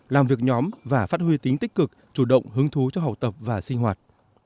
làm việc nhóm và phát huy tính tích cực chủ động hứng thú cho học tập và sinh hoạt